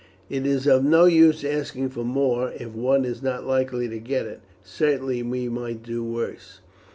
"It is of no use asking for more if one is not likely to get it; certainly we might do worse."